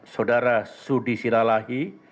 saudara sudi siralahi